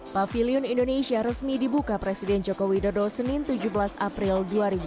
pavilion indonesia resmi dibuka presiden joko widodo senin tujuh belas april dua ribu dua puluh